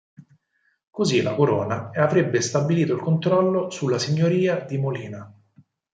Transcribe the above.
Così la corona avrebbe stabilito il controllo sulla Signoria di Molina.